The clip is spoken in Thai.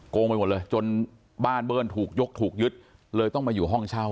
งไปหมดเลยจนบ้านเบิ้ลถูกยกถูกยึดเลยต้องมาอยู่ห้องเช่า